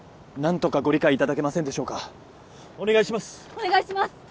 何とかご理解いただけませんでしょうかお願いします！